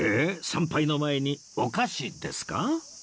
参拝の前にお菓子ですか？